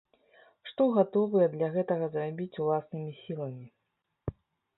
Што гатовыя для гэтага зрабіць уласнымі сіламі?